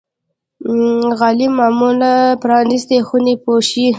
غالۍ معمولا پرانيستې خونې پوښي.